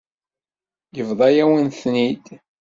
Yebḍa-yawen-ten-id.